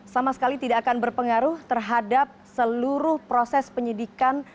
sama sekali tidak akan berpengaruh terhadap seluruh proses penyidikan